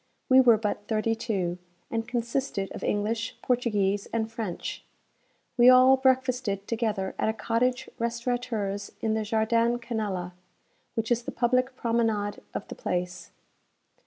We were but thirty two, and consisted of English, Portuguese, and French. We all breakfasted together at a cottage restaurateur's in the Jardin Canella, which is the public promenade of the place.